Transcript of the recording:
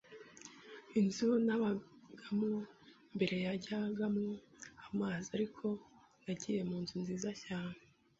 Inzu nabagamo mbere yajyagamo amazi, ariko nagiye mu nzu nziza cyane